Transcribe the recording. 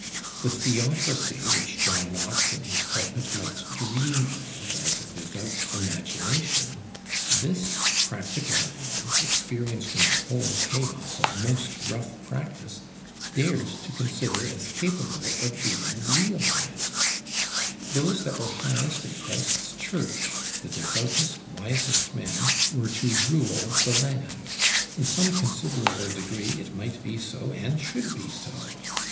The Theocracy which John Knox in his pulpit might dream of as a "devout imagination," this practical man, experienced in the whole chaos of most rough practice, dared to consider as capable of being realized. Those that were highest in Christ's Church, the devoutest wisest men, were to rule the land: in some considerable degree, it might be so and should be so.